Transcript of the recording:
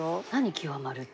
極まるって。